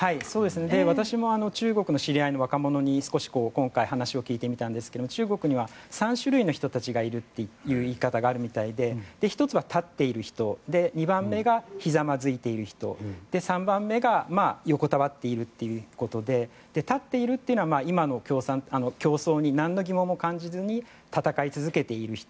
私も中国の知り合いの若者に少し今回話を聞いてみたんですが中国には３種類の人たちがいるという言い方があるみたいで１つは立っている人２番目がひざまずいている人３番目が横たわっているということで立っているというのは今の競争になんの疑問も感じずに戦い続けている人。